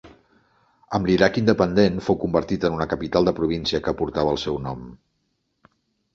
Amb l'Iraq independent fou convertit en una capital de província que portava el seu nom.